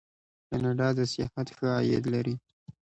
کاناډا د سیاحت ښه عاید لري.